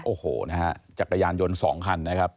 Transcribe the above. โอ้โหนะฮะจักรยานยนต์๒คันนะครับ